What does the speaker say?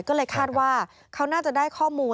ก็เลยคาดว่าเขาน่าจะได้ข้อมูล